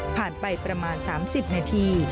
ผ่านไปประมาณ๓๐นาที